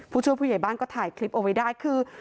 ผู้ช่วยผู้ใหญ่บ้านก็ถ่ายคลิปเอาไว้ได้คือ